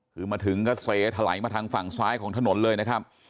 คือมาถึงก็เสถลายมาทางฝั่งซ้ายของถนนเลยนะครับ